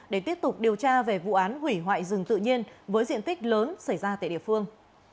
để tiếp tục điều tra về vụ án hủy hoại rừng tự nhiên với diện tích lớn xảy ra tại địa phương